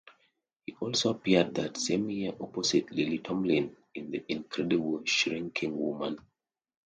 He also appeared that same year opposite Lily Tomlin in "The Incredible Shrinking Woman".